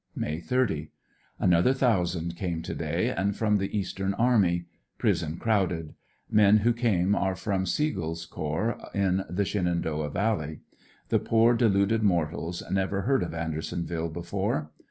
May 30. — Another thousand came to day and from the eastern army. Prison crowded. Men who came are from Siegel's corps in the Shenandoah Valley. The poor deluded mortals never heard of Andersonville before.